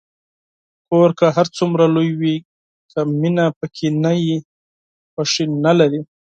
کور که هر څومره لوی وي، که مینه پکې نه وي، خوښي نلري.